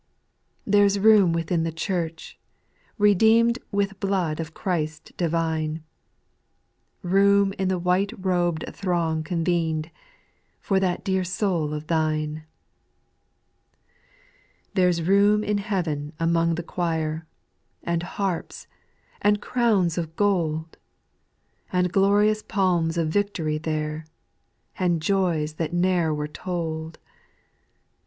8. There 's room within the Church, redeemed With blood of Christ divine ; Room in the white robed throng convened, For that dear soul of thine. 4. There 's room in heaven among the choifj And harps, and crowns of gold ; And glorious palms of victory there, And joys that ne'er were told.